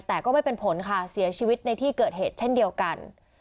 แต่ก็ไม่เป็นผลค่ะเสียชีวิตในที่เกิดเหตุเช่นเดียวกัน